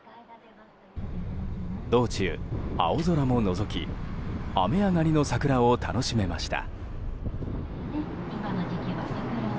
道中、青空ものぞき雨上がりの桜を楽しめました。